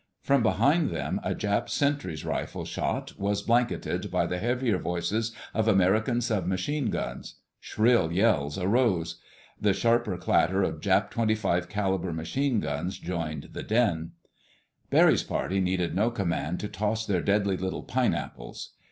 From behind them a Jap sentry's rifle shot was blanketed by the heavier voices of American sub machine guns. Shrill yells arose. The sharper clatter of Jap .25 caliber machine guns joined the din. Barry's party needed no command to toss their deadly little "pineapples."